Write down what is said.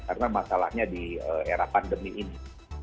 karena masalahnya di era pandemi ini